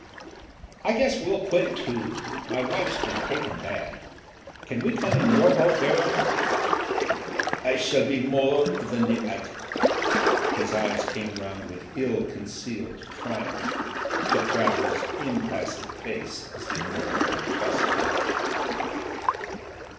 "I guess we'll quit too. My wife's been taken bad. Can we come in your boat. Baron ?" "I shall be more than delighted." His eyes came round with ill concealed triumph to Travers's im passive face as the American bustled away.